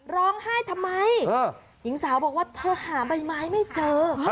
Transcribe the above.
ร้องไห้ทำไมหญิงสาวบอกว่าเธอหาใบไม้ไม่เจอ